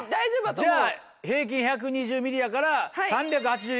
じゃあ平均１２０ミリやから。